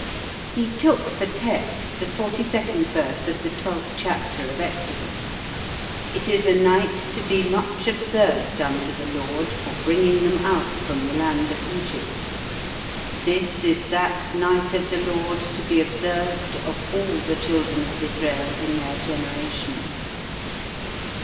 He took for text the 42nd verse of the 12th chapter of Exodus: "It is a night to be much observed unto the Lord for bringing them out from the land of Egypt: this is that night of the Lord to be observed of all the children of Israel in their generations."